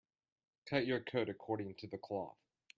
Cut your coat according to the cloth.